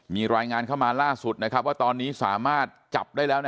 มีรายงานเข้ามาล่าสุดว่าตอนนี้สามารถจับได้แล้ว